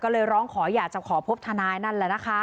ก็เลยร้องขออยากจะขอพบทนายนั่นแหละนะคะ